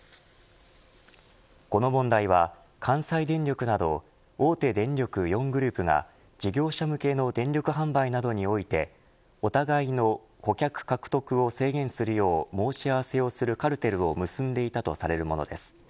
この問題は関西電力など大手電力４グループが事業者向けの電力販売などにおいて互いの顧客獲得を制限するよう申し合わせをするカルテルを結んでいたとされるものです。